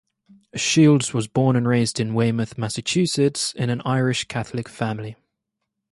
Shields was born and raised in Weymouth, Massachusetts, in an Irish Catholic family.